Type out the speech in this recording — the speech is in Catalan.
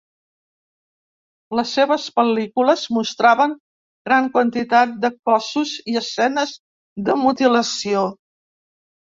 Les seves pel·lícules mostraven gran quantitat de cossos i escenes de mutilació.